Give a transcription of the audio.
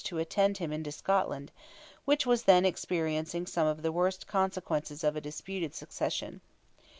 to attend him into Scotland, which was then experiencing some of the worst consequences of a disputed succession.